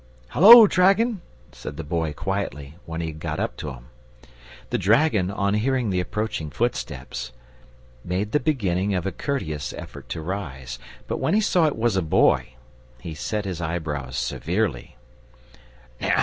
"Hullo, dragon!" said the Boy, quietly, when he had got up to him. The dragon, on hearing the approaching footsteps, made the beginning of a courteous effort to rise. But when he saw it was a Boy, he set his eyebrows severely.